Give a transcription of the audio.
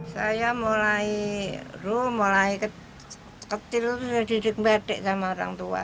saya mulai dulu mulai kecil sudah diduduk batik sama orang tua